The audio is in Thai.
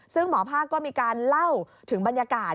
ซึ่งหมอภาคก็มีการเล่าถึงบรรยากาศ